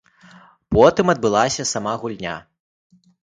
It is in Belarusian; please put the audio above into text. Потым адбылася сама гульня.